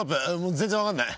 全然分かんない。